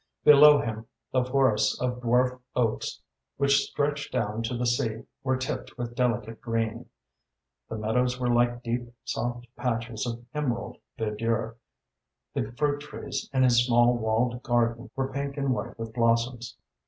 Below him, the forests of dwarf oaks which stretched down to the sea were tipped with delicate green. The meadows were like deep soft patches of emerald verdure; the fruit trees in his small walled garden were pink and white with blossoms.